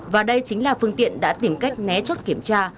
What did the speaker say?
và đây chính là phương tiện đã tìm cách né chốt kiểm tra